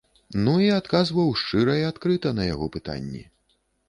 Ну, і адказваў шчыра і адкрыта на яго пытанні.